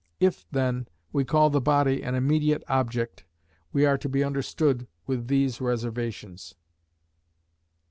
If, then, we call the body an immediate object, we are to be understood with these reservations.